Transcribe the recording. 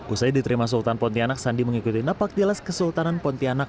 usai diterima sultan pontianak sandi mengikuti napak dilas kesultanan pontianak